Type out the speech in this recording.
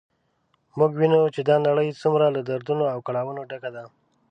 موږ وینو چې دا نړی څومره له دردونو او کړاوونو ډکه ده